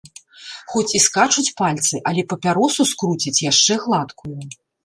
Хоць і скачуць пальцы, але папяросу скруціць яшчэ гладкую.